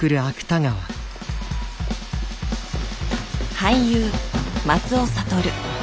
俳優松尾諭。